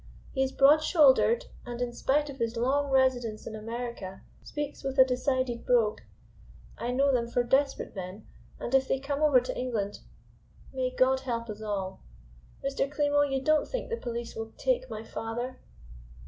He is broad shouldered and, in spite of his long residence in America, speaks with a decided brogue. I know them for desperate men, and if they come over to England may God help us all. Mr. Klimo, you don't think the police will take my father?"